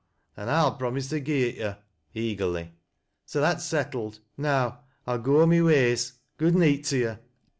" An' I'll promise to gi' it yo'," eagerly. " So that's settled. Now I'll go my ways. Good neet to yo'."